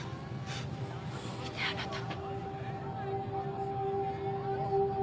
見てあなた。